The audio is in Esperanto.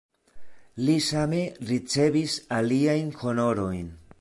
Li same ricevis aliajn honorojn.